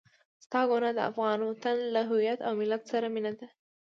ستا ګناه د افغان وطن له هويت او ملت سره مينه ده.